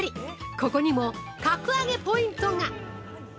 ここにも格上げポイントが。